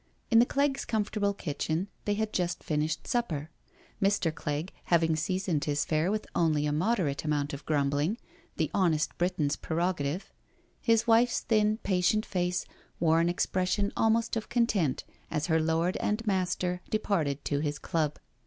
In the Cleggs' comfortable kitchen they had just finished supper. Mr. Cleggi having seasoned his fare with only a moderate amount of grumbling— »the honest Briton's prerogative — his wife's thin, patient face wore an expression almost of content as her lord and master departed to his club.